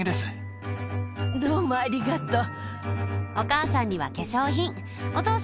どうもありがとう。